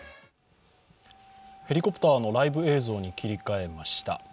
ヘリコプターのライブ映像に切り替えました。